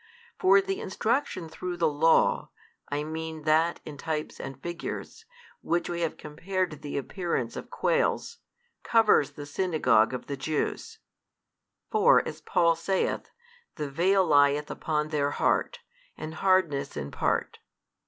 For the instruction through the Law, I mean that in types and figures, which we have compared to the appearance of quails, covers the synagogue of the Jews: for, as Paul saith, the veil lieth upon their heart, and hardness in part.